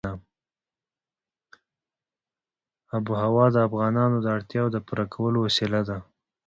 آب وهوا د افغانانو د اړتیاوو د پوره کولو وسیله ده.